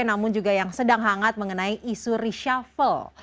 namun juga yang sedang hangat mengenai isu reshuffle